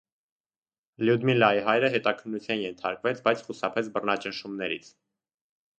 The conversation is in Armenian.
Լյուդմիլայի հայրը հետաքննության ենթարկվեց, բայց խուսափեց բռնաճնշումներից։